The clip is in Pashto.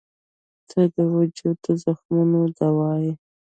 • ته د وجود د زخمونو دوا یې.